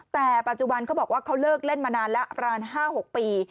แต่ปัจจุบันเขาบอกว่าเขาเลิกเล่นมานานแล้วประมาณ๕๖ปี